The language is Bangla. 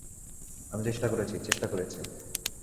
আমি চেষ্টা করেছি, চেষ্টা করেছি।